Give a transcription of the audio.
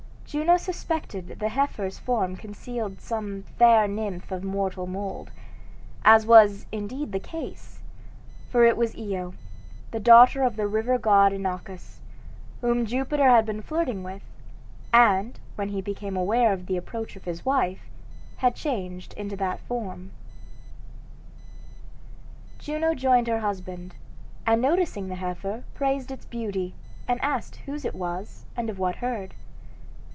Juno suspected the heifer's form concealed some fair nymph of mortal mould as was, indeed the case; for it was Io, the daughter of the river god Inachus, whom Jupiter had been flirting with, and, when he became aware of the approach of his wife, had changed into that form. Juno joined her husband, and noticing the heifer praised its beauty, and asked whose it was, and of what herd.